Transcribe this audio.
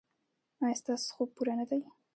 ایا ستاسو خوب پوره نه دی؟